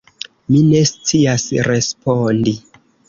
Mi ne scias respondi.